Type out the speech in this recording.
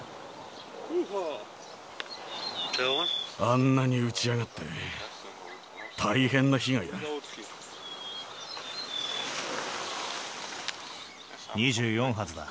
あんなに撃ちやがって、大変な被害だ。